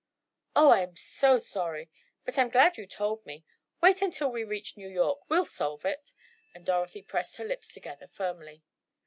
"Oh, I'm so sorry! But, I'm glad you told me. Wait until we reach New York—we'll solve it," and Dorothy pressed her lips together firmly.